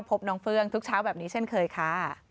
พบน้องเฟื่องทุกเช้าแบบนี้เช่นเคยค่ะ